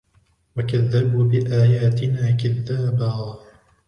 وَكَذَّبُوا بِآيَاتِنَا كِذَّابًا